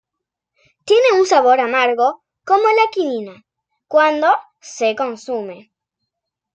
Tiene un sabor amargo como la quinina, cuando se consume.